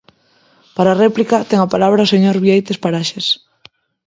Para a réplica, ten a palabra o señor Bieites Paraxes.